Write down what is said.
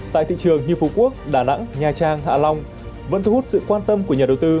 tại thị trường như phú quốc đà nẵng nha trang hạ long vẫn thu hút sự quan tâm của nhà đầu tư